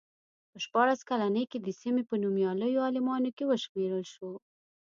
په شپاړس کلنۍ کې د سیمې په نومیالیو عالمانو کې وشمېرل شو.